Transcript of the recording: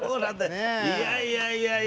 いやいやいやいや。